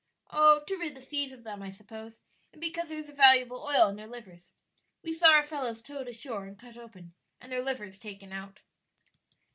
"Oh, to rid the seas of them, I suppose, and because there is a valuable oil in their livers. We saw our fellows towed ashore and cut open and their livers taken out."